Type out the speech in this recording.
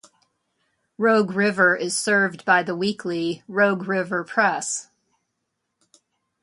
Rogue River is served by the weekly "Rogue River Press".